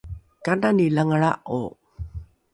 kanani langalra’o?